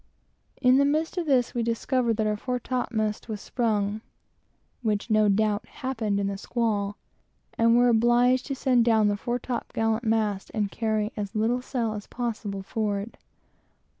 In the midst of this, we discovered that our fore topmast was sprung, (which no doubt happened in the squall,) and were obliged to send down the fore top gallant mast and carry as little sail as possible forward.